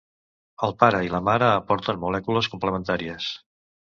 El pare i la mare aporten molècules complementàries.